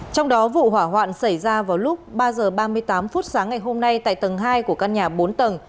trong đó vụ hỏa hoạn xảy ra vào lúc ba h ba mươi tám phút sáng ngày hôm nay tại tầng hai của căn nhà bốn tầng